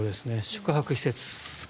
宿泊施設。